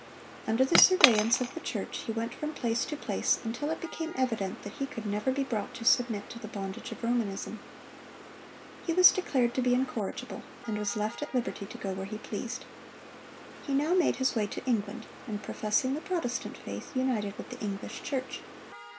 Under the surveillance of the church he went from place to place, until it became evident that he could never be brought to submit to the bondage of Romanism. He was declared to be incorrigible, and was left at liberty to go where he pleased. He now made his way to England, and professing the Protestant faith, united with the English Church.